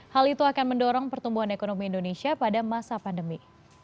hal itu akan mendorong pertumbuhan ekonomi indonesia pada masa pandemi